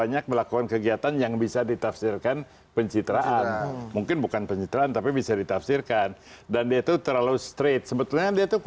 jokowi dan sandi